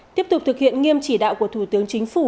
tiếp tục thực hiện nghiêm chỉ đạo của thủ tướng chính phủ